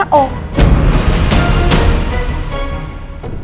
anak itu golongan darahnya o